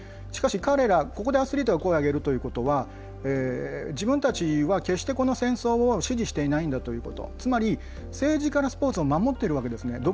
しかし、彼らここでアスリートが声を上げるということは自分たちは決してこの戦争を支持していないんだということつまり政治からスポーツを守っているわけですね。